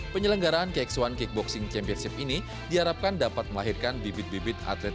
penyelenggaraan kx satu kickboxing championship ini diharapkan dapat melahirkan bibit bibit atlet